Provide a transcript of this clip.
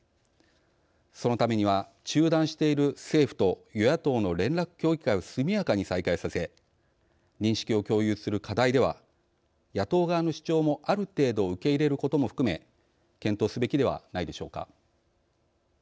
そのためには、中断している政府と与野党の連絡協議会を速やかに再開させ認識を共有する課題では野党側の主張もある程度受け入れることも含め検討すべきではないでしょうか。